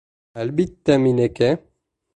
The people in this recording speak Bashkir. Әлбиттә, минеке.